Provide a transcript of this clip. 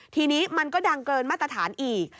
ทีนี้มันก็ดังเกินมาตรฐานอีก